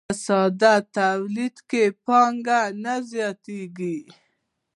په ساده تولید کې پانګه نه زیاتېږي